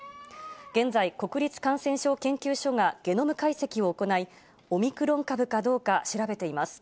現在、国立感染症研究所がゲノム解析を行い、オミクロン株かどうか調べています。